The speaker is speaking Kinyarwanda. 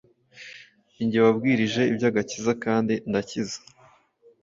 Ni jye wabwirije iby’agakiza kandi ndakiza,